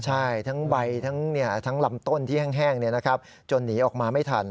ใช่ทั้งใบทั้งลำต้นที่แห้งจนหนีออกมาไม่ทัน